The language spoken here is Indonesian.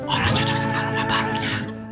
orang cocok sama rumah barunya